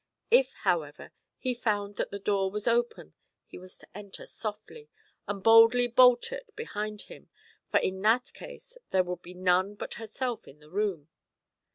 If, however, he found that the door was open, he was to enter softly, and boldly bolt it behind him, for in that case there would be none but herself in the room.